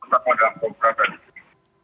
pertama dalam kompra tadi